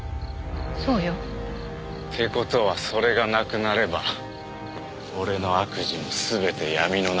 そうよ。って事はそれがなくなれば俺の悪事も全て闇の中か。